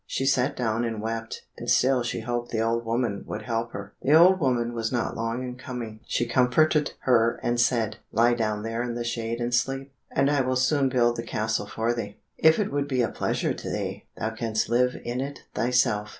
She sat down and wept, and still she hoped the old woman would help her. The old woman was not long in coming; she comforted her and said, "Lie down there in the shade and sleep, and I will soon build the castle for thee. If it would be a pleasure to thee, thou canst live in it thyself."